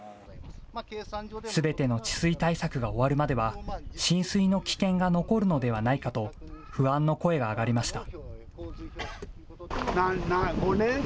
すべての治水対策が終わるまでは、浸水の危険が残るのではないかと不安の声が上がりました。